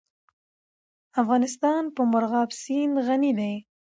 افغانستان په مورغاب سیند غني دی.